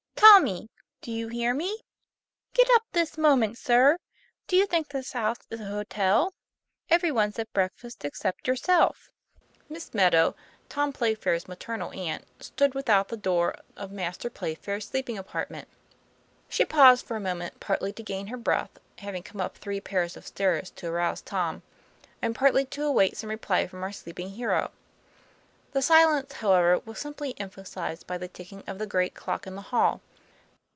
' Tommy do you hear me ? Get up this moment, sir. Do you think this house is a hotel ? Every one's at breakfast except yourself." Miss Meadow, Tom Playfair's maternal aunt, stood without the door of Master Playfair's sleeping apartment. She paused for a moment, partly to gain her breath (having come up three pairs of stairs to arouse Tom) and partly to await some reply from our sleeping hero. The silence, however, was simply emphasized by the ticking of the great clock in the hall.